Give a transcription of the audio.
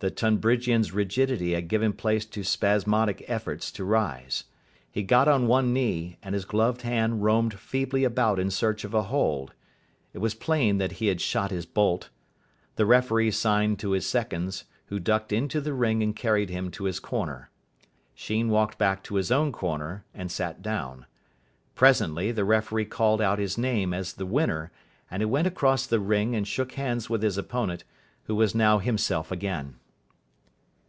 The Tonbridgian's rigidity had given place to spasmodic efforts to rise. He got on one knee, and his gloved hand roamed feebly about in search of a hold. It was plain that he had shot his bolt. The referee signed to his seconds, who ducked into the ring and carried him to his corner. Sheen walked back to his own corner, and sat down. Presently the referee called out his name as the winner, and he went across the ring and shook hands with his opponent, who was now himself again.